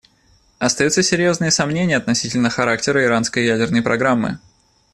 Остаются серьезные сомнения относительно характера иранской ядерной программы.